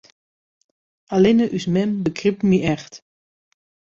Allinne ús mem begrypt my echt.